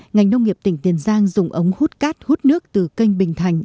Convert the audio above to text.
ngành nông nghiệp tỉnh tiền giang dùng ống hút cát hút nước từ kênh bình thành